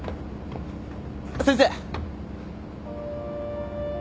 先生！